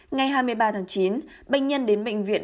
ngày hai mươi ba tháng chín bệnh nhân đến bệnh viện